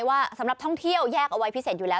ว่าสำหรับท่องเที่ยวแยกเอาไว้พิเศษอยู่แล้ว